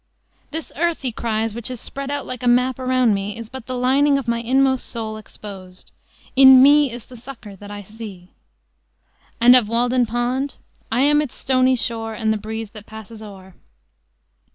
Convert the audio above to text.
"This earth," he cries, "which is spread out like a map around me, is but the lining of my inmost soul exposed." "In me is the sucker that I see;" and, of Walden Pond, "I am its stony shore, And the breeze that passes o'er."